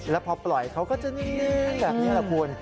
แล้วพอปล่อยเขาก็จะนินแบบนี้แหละคุณ